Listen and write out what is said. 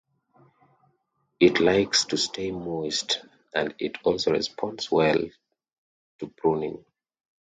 It likes to stay moist and it also responds well to pruning.